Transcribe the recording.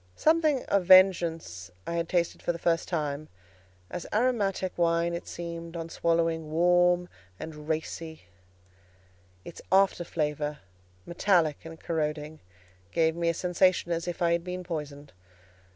Something of vengeance I had tasted for the first time; as aromatic wine it seemed, on swallowing, warm and racy: its after flavour, metallic and corroding, gave me a sensation as if I had been poisoned.